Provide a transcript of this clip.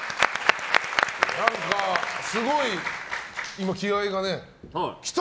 何か、今、すごい気合がね。きた！